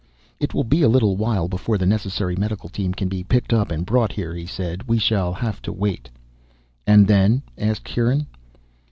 "It will be a little while before the necessary medical team can be picked up and brought here," he said. "We shall have to wait." "And then?" asked Kieran.